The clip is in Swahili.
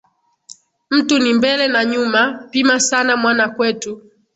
Mtu ni mbele na nyuma, pima sana mwana kwetu